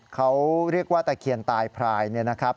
เขาเรียกว่าตาเขียนตายพรายนะครับ